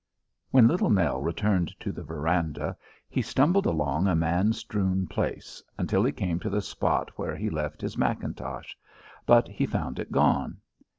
When Little Nell returned to the veranda he stumbled along a man strewn place, until he came to the spot where he left his mackintosh; but he found it gone.